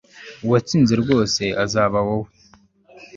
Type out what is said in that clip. uwatsinzwe rwose azaba wowe